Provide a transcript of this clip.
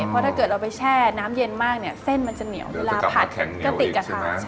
เพราะถ้าเกิดเราไปแช่น้ำเย็นมากเนี่ยเส้นมันจะเหนียวเวลาผัดกระติกอะค่ะ